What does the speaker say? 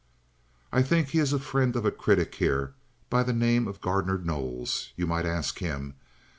"I think he is a friend of a critic here by the name of Gardner Knowles. You might ask him.